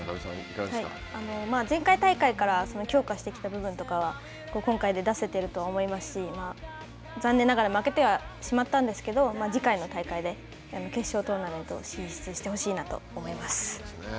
前回大会から強化してきた部分とかは、今回で出せていると思いますし残念ながら負けてはしまったんですけど、次回の大会で、決勝トーナメント進出してほしいなと思います。